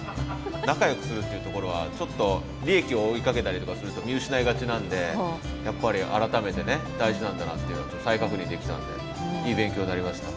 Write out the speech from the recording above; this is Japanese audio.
仲よくするっていうところはちょっと利益を追いかけたりとかすると見失いがちなんでやっぱり改めてね大事なんだなっていうのを再確認できたんでいい勉強になりました。